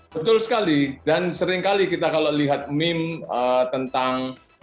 betul sekali dan seringkali kita kalau lihat meme tentang